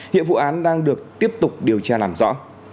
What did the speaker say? hiện vụ án đang được tiếp tục điều tra làm rõ